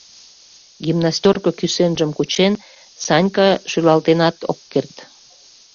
— гимнастёрко кӱсенжым кучен, Санька шӱлалтенат ок керт.